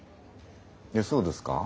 えっそうですか？